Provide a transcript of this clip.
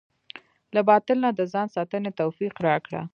له باطل نه د ځان ساتنې توفيق راکړه.